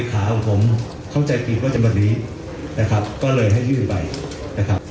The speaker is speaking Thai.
ซึ่งเวลาผมนะครับแล้วตั้งใจคือจะว่า